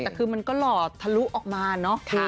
แต่คือมันก็หล่อทะลุออกมาเนอะ